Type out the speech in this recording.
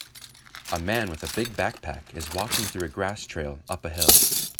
A man with a big backpack is walking through a grass trail up a hill.